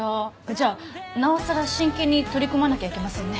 じゃあなおさら真剣に取り組まなきゃいけませんね